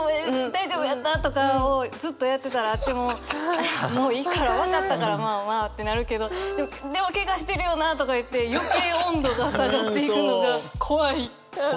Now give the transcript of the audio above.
大丈夫やった？とかをずっとやってたらもうもういいから分かったからまあまあってなるけどでもケガしてるよなとかいって余計温度が下がっていくのが怖い。